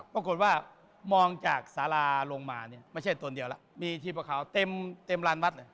โปรโกรธว่ามองจากสาราโลงมาไม่ใช่ตัวเดียวมีชีพขาวเต็มล้านวัสต์